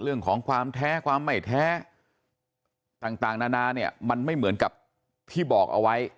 เรื่องของความแท้ความไม่แท้ต่างนานาเนี่ยมันไม่เหมือนกับที่บอกเอาไว้